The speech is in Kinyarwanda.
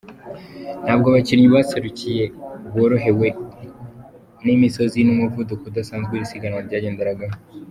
Ntabwo abakinnyi baruserukiye borohewe n’imisozi n’umuvuduko udasanzwe iri siganwa ryagenderagaho.